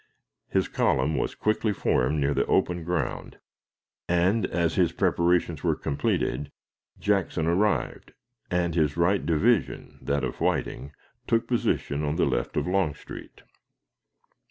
His column was quickly formed near the open ground, and, as his preparations were completed, Jackson arrived, and his right division that of Whiting took position on the left of Longstreet.